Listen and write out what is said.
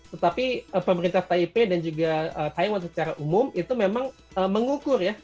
tetapi pemerintah taipei dan juga taiwan secara umum itu memang mengukur ya